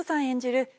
演じる